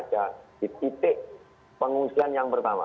ada di titik pengungsian yang pertama